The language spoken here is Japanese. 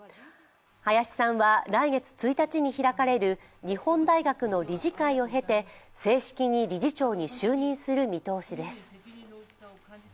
林さんは来月１日に開かれる日本大学の理事会を経て正式に理事長に就任する見通しです。